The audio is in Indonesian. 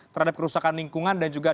terhadap kerusakan lingkungan dan juga